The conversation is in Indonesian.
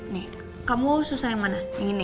nih kamu susah yang mana yang gini